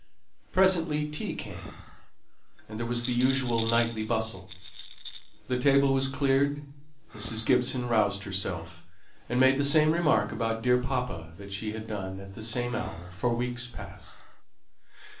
Presently tea came, and there was the usual nightly bustle. The table was cleared, Mrs. Gibson roused herself, and made the same remark about dear papa that she had done at the same hour for weeks past.